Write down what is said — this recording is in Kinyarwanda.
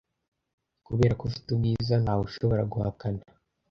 Kuberako ufite ubwiza ntawushobora guhakana.